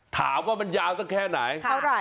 ถามว่ามันยาวตั้งแค่ไหน